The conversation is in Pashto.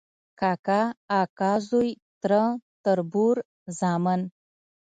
کاکا، اکا زوی ، تره، تربور، زامن ،